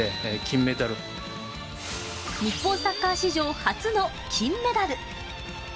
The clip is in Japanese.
日本サッカー史上初の金メダル。